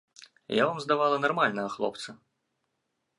Я вам здавала нармальнага хлопца.